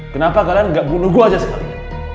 kenapa kalian gak bunuh gue aja sekali